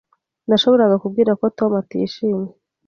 Nashoboraga kubwira ko Tom atishimye.